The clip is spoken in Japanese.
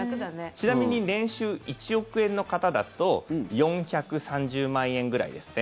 ちなみに年収１億円の方だと４３０万円ぐらいですね